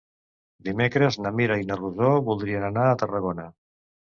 Dimecres na Mira i na Rosó voldrien anar a Tarragona.